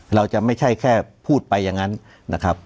ไม่ใช่แค่พูดไปอย่างนั้นนะครับ